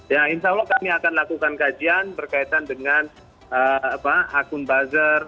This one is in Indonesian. ya insya allah kami akan lakukan kajian berkaitan dengan akun buzzer